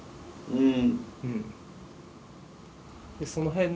うん。